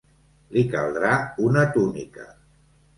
Li caldrà una túnica.